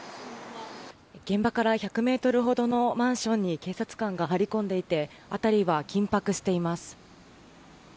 現場から１００ｍほどのマンションに警察官が張り込んでいて辺りは緊迫しています。